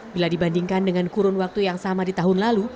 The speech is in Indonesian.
bila dibandingkan dengan kurun waktu yang sama di tahun lalu